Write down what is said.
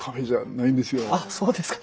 あっそうですか。